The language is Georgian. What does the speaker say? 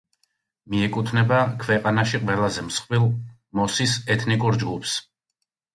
მიეკუთვნება ქვეყანაში ყველაზე მსხვილ მოსის ეთნიკურ ჯგუფს.